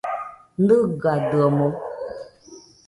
¿Nɨgadɨomoɨ?